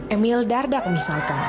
emil dardak misalkan